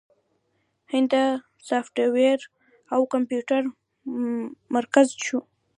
هند د سافټویر او کمپیوټر مرکز شو.